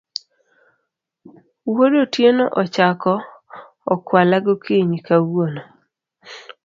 Wuod Otieno ochako okwala gokinyi kawuono